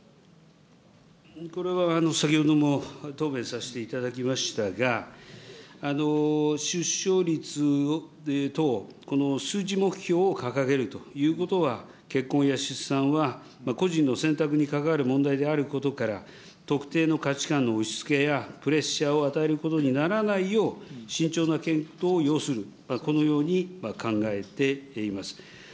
これは、先ほども答弁させていただきましたが、出生率等、この数値目標を掲げるということは、結婚や出産は個人の選択に関わる問題であることから、特定の価値観の押しつけやプレッシャーを与えることにならないよう、慎重な検討を要する、このように考えています。